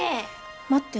待って。